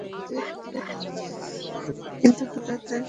কিন্তু হঠাৎই তাঁর জীবনটা পাল্টে গেল গুলশানের হলি আর্টিজানের ঘটনার পর।